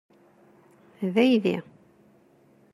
D aydi.